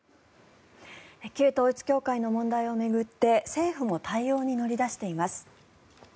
旧統一教会の問題を巡って政府も対応に乗り出しています。